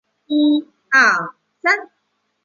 实质非蕴涵是对实质蕴涵的否定。